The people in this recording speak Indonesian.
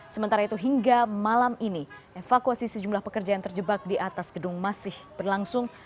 sementara itu hingga malam ini evakuasi sejumlah pekerja yang terjebak di atas gedung masih berlangsung